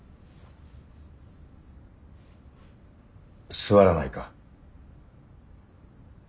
座らないか？